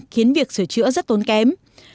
khiến việc sửa chữa rất tốn kém